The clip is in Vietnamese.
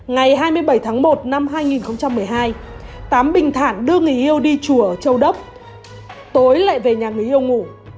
ngày hai mươi bảy tháng một năm hai nghìn một mươi hai tám bình thản đưa người yêu đi chùa châu đốc tối lại về nhà người yêu ngủ